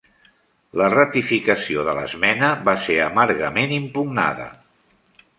La ratificació de l'esmena va ser amargament impugnada.